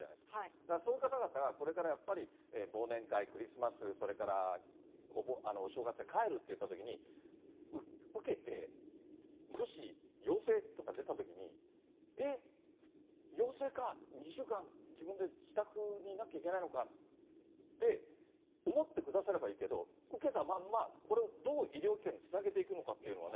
だからそういう方々がこれからやっぱり、忘年会、クリスマス、それからお正月で帰るっていったときに、受けて、もし陽性とか出たときに、えっ、陽性か、２週間、自分で自宅にいなきゃいけないのかと思ってくださればいいけど、受けたまんま、これ、どう医療圏につなげていくのかというのがね。